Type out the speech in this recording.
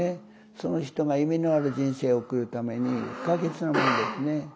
その人が意味のある人生を送るために不可欠なものですね。